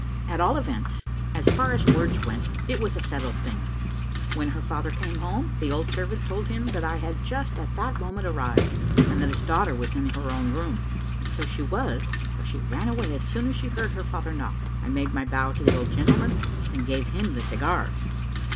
At all events, as far as words went, it was a settled thing. When her father came home, the old servant told him that I had just at that moment arrived, and that his daughter was in her own room; so she was, for she ran away as soon as she heard her father knock. I made my bow to the old gentleman, and gave him the cigars.